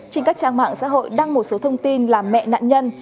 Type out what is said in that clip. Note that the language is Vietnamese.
trên các trang mạng xã hội đăng một số thông tin là mẹ nạn nhân